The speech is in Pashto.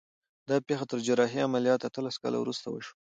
دا پېښه تر جراحي عملیات اتلس کاله وروسته وشوه